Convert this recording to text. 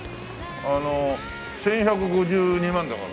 あの１１５２万だから。